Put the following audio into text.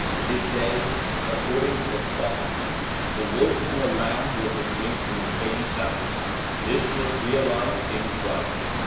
In his day, according to prophecy the wolf and the lamb were to drink from the same fountain. This was realized in Christ.